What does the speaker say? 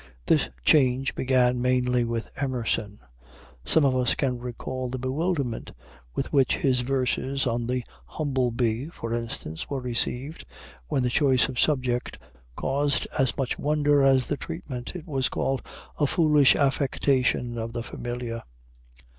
This change began mainly with Emerson. Some of us can recall the bewilderment with which his verses on the humblebee, for instance, were received, when the choice of subject caused as much wonder as the treatment. It was called "a foolish affectation of the familiar."